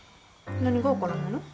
何が分からないの？